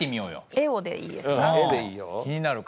絵をでいいですか？